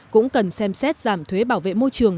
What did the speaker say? cũng cần xem xét giảm thuế bảo vệ môi trường